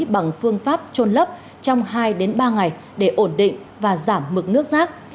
bằng phương pháp trôn lấp trong hai ba ngày để ổn định và giảm mực nước rác